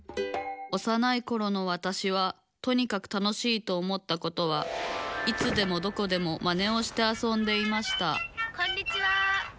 おさないころのわたしはとにかく楽しいと思ったことはいつでもどこでもマネをしてあそんでいましたこんにちは。